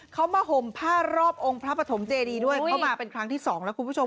เขามาหมภาพรอบองค์พระปฐมเจดีด้วยเข้ามาไปเป็นที่๒นะครูผู้ชม